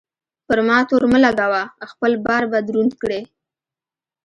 پر ما تور مه لګوه؛ خپل بار به دروند کړې.